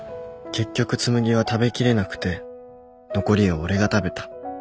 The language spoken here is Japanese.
結局紬は食べきれなくて残りを俺が食べた